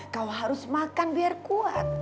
kau harus makan biar kuat